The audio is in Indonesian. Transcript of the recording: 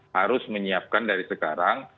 harus menyiapkan dari sekarang